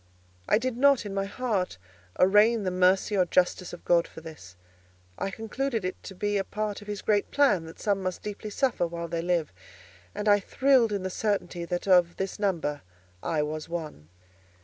I did not, in my heart, arraign the mercy or justice of God for this; I concluded it to be a part of his great plan that some must deeply suffer while they live, and I thrilled in the certainty that of this number, I was one.